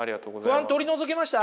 不安取り除けました？